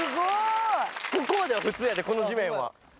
ここまでは普通やでこの地面は。